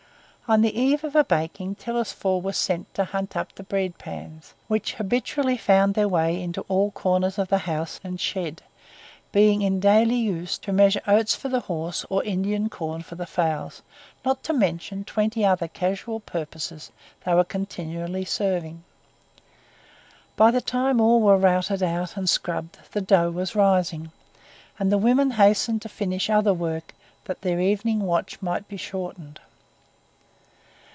On the eve of a baking Telesphore was sent to hunt up the bread pans which habitually found their way into all corners of the house and shed being in daily use to measure oats for the horse or Indian corn for the fowls, not to mention twenty other casual purposes they were continually serving. By the time all were routed out and scrubbed the dough was rising, and the women hastened to finish other work that their evening watch might be shortened.